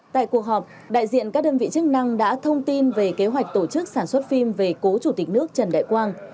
tại cuộc họp đại diện các đơn vị chức năng đã thông tin về kế hoạch tổ chức sản xuất phim về cố chủ tịch nước trần đại quang